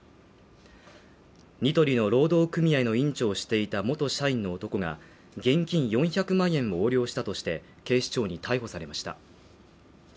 ニトリの労働組合の委員長をしていた元社員の男が現金４００万円を横領したとして警視庁に逮捕されました。